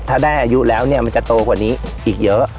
ถ้าได้อายุแล้วเนี่ยมันจะโตกว่านี้อีกเยอะ